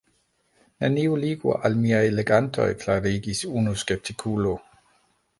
Neniu ligo al miaj legantoj, klarigis unu skeptikulo.